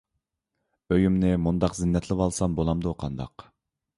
ئۆيۈمنى مۇنداق زىننەتلىۋالسام بولامدۇ قانداق؟